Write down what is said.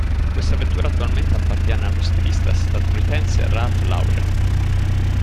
Questa vettura attualmente appartiene allo stilista statunitense Ralph Lauren.